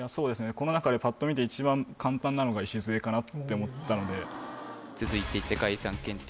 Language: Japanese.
この中でパッと見て一番簡単なのがいしずえかなって思ったので続いて世界遺産検定